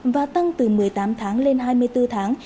và tăng từ một mươi tám tháng lên hai mươi bốn tháng